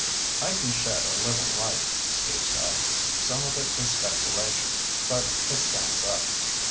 "I can shed a little light," Steve said. "Some of it is speculation, but it stands up.